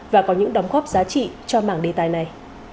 và có những đóng góp giá trị cho mảng đề tài này